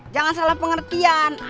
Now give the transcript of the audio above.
jangan salah pengertian